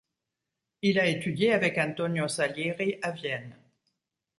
Il a étudié avec Antonio Salieri à Vienne.